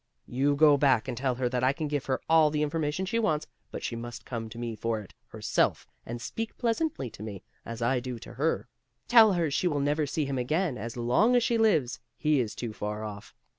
You go back and tell her that I can give her all the information she wants; but she must come to me for it, herself, and speak pleasantly to me, as I do to her. Tell her that she will never see him again, as long as she lives; he is too far off.